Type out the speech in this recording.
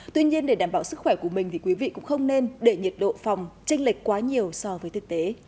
tuy nhiên để đảm bảo sức khỏe của mình thì quý vị cũng không nên để nhiệt độ phòng tranh lệch quá nhiều so với thực tế